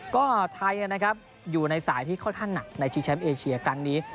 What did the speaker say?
ก็ไทยนะครับอยู่ในสายที่ค่อนข้างหนักในชิงแชมป์เอเชียครั้งนี้